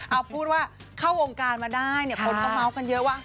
เอาพูดว่าเข้าวงการมาได้เนี่ยคนก็เมาส์กันเยอะว่า